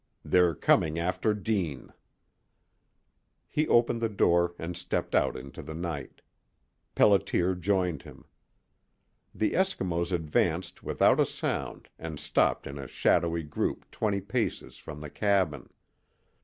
They're coming after Deane." He opened the door and stepped out into the night. Pelliter joined him. The Eskimos advanced without a sound and stopped in a shadowy group twenty paces from the cabin.